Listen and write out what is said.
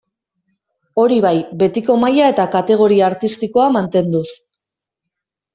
Hori bai, betiko maila eta kategoria artistikoa mantenduz.